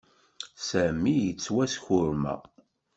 Sami yettwaskurma.